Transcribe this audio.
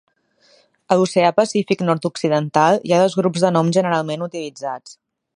A l'Oceà Pacífic Nord-Occidental hi ha dos grups de noms generalment utilitzats.